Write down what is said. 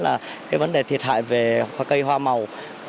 là cái vấn đề thiệt hại về hoa cây hoa màu